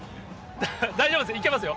大丈夫です、いけますよ。